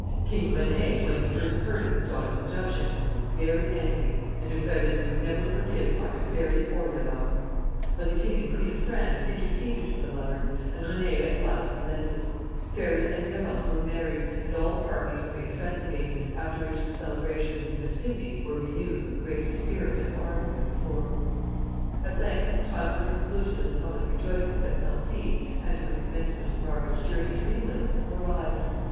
King René, when he first heard of his daughter's abduction, was very angry, and declared that he would never forgive either Ferry or Yolante. But the King and Queen of France interceded for the lovers, and René at last relented. Ferry and Yolante were married, and all parties were made friends again, after which the celebrations and festivities were renewed with greater spirit and ardor than before. [Footnote 3: The name was a contraction of Frederick.] [Sidenote: Margaret takes leave of her friends.] At length the time for the conclusion of the public rejoicings at Nancy, and for the commencement of Margaret's journey to England, arrived.